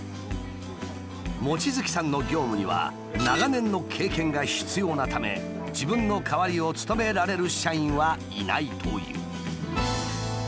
望月さんの業務には長年の経験が必要なため自分の代わりを務められる社員はいないという。